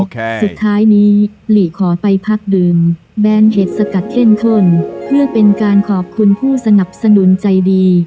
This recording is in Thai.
สุดท้ายนี้หลีขอไปพักดื่มแบนเห็ดสกัดเข้มข้นเพื่อเป็นการขอบคุณผู้สนับสนุนใจดี